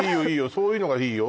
そういうのがいいよ